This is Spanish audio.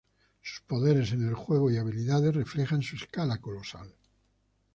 Sus poderes en el juego y habilidades reflejan su escala colosal.